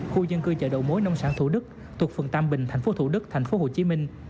khu dân cư chợ đầu mối nông sản thủ đức thuộc phường tam bình tp thủ đức tp hồ chí minh